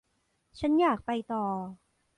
ฉันอยากไปต่อ